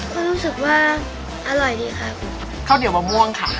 ก็รู้สึกว่าอร่อยดีค่ะคุณข้าวเหนียวมะม่วงค่ะ